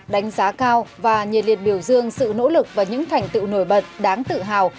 đánh giá cao và nhiệt liệt biểu dương sự nỗ lực và những thành tựu nổi bật đáng tự hào